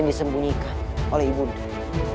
dan disembunyikan oleh ibu undang